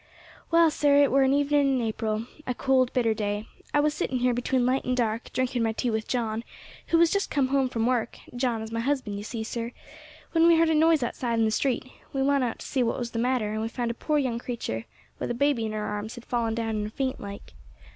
"Well, sir, it were an evening in April a cold bitter day. I was sitting here between light and dark, drinking my tea with John, who was just come home from work John is my husband, you see, sir when we heard a noise outside in the street. We went out to see what was the matter, and we found a poor young creature, with a baby in her arms, had fallen down in a faint like.